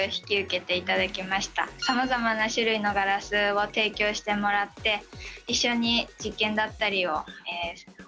さまざまな種類のガラスを提供してもらって一緒に実験だったりを行っていきました。